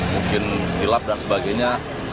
mungkin hilap dan sebagainya